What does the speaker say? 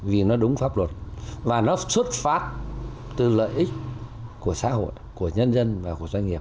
vì nó đúng pháp luật và nó xuất phát từ lợi ích của xã hội của nhân dân và của doanh nghiệp